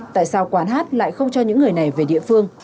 tại sao quán hát lại không cho những người này về địa phương